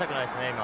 今。